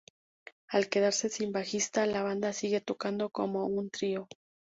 Al quedarse sin bajista, la banda sigue tocando como un trío.